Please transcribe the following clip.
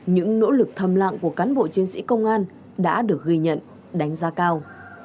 những nỗ lực thầm lạng của cán bộ chiến sĩ công an đã được ghi nhận đánh giá cao